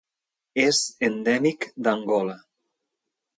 És endèmic d'Angola.